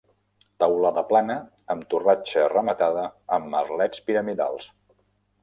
Teulada plana amb torratxa rematada amb merlets piramidals.